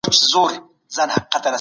آيا فارابي په ارماني ټولنه باور درلود؟